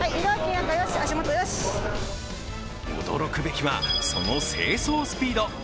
驚くべきは、その清掃スピード。